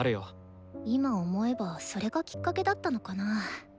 今思えばそれがきっかけだったのかな？